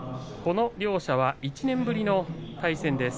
この両者は１年ぶりの対戦です。